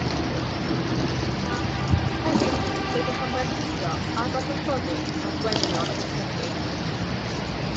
Heddiw, rydych am werthuso a dadansoddi nodweddion bisgedi